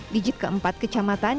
digit keempat kecamatan